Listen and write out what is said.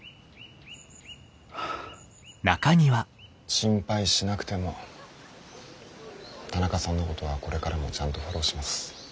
心配しなくても田中さんのことはこれからもちゃんとフォローします。